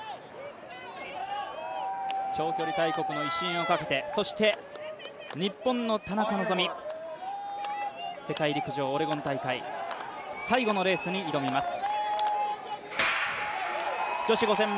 長距離大国の威信をかけて、そして日本の田中希実、世界陸上オレゴン大会最後のレースに挑みます。